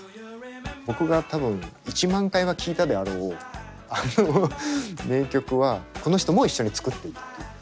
僕が多分１万回は聴いたであろうあの名曲はこの人も一緒に作っていたという。